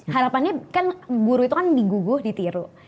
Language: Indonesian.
harapannya kan buruh itu kan diguguh ditiru